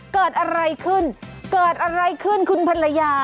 เกิดอะไรขึ้นเกิดอะไรขึ้นคุณภรรยา